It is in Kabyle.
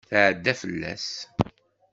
Tɛedda fell-as.